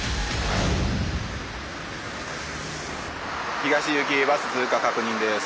東行きバス通過確認です。